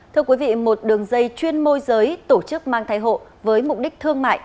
thưa quý vị một đường dây chuyên môi giới tổ chức mang thai hộ với mục đích thương mại